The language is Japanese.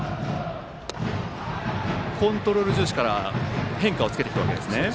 コントロール重視から変化をつけてきたわけですね。